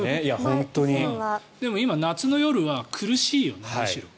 でも今、夏の夜は苦しいよね。